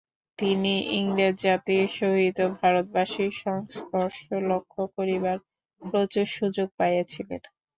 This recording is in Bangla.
তিনি ইংরেজ জাতির সহিত ভারতবাসীর সংস্পর্শ লক্ষ্য করিবার প্রচুর সুযোগ পাইয়াছিলেন।